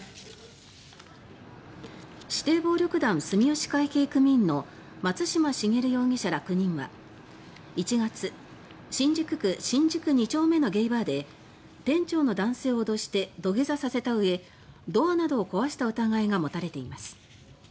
関東連合元幹部で指定暴力団住吉会系組員の松嶋重容疑者ら９人は１月新宿区新宿２丁目のゲイバーで店長の男性を脅して土下座させたうえドアなどを壊した疑いが持たれています。